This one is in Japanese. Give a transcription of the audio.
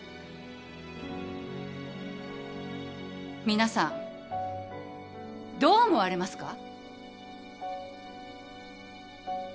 皆さんどう思われますか？